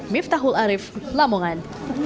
miftahul arief lamongan